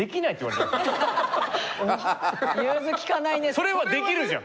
それはできるじゃん！